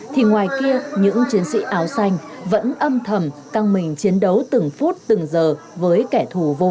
thì ngoài kia những chiến sĩ áo xanh vẫn âm thầm căng mình chiến đấu từng phút từng giờ với kẻ thù vô địch